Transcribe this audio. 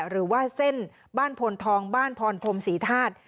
หรือว่าเส้นบ้านพลทองบ้านพรพรมศรีธาตุ